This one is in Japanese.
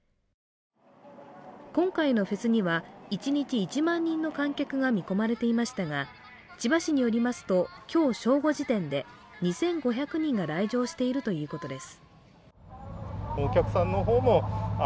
今回のフェスには一日１万人の観客が見込まれていましたが、千葉市によりますと、今日正午時点で２５００人が来場しているということです。